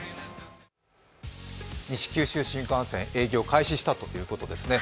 西九州新幹線、営業を開始したということですね。